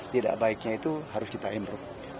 tidak baiknya itu harus kita improve